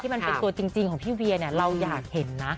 มันเป็นตัวจริงของพี่เวียเราอยากเห็นนะ